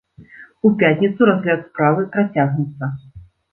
У пятніцу разгляд справы працягнецца.